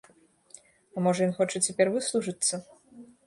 А можа ён хоча цяпер выслужыцца?